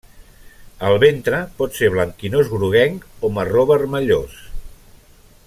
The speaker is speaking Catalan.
El ventre pot ser blanquinós, groguenc o marró vermellós.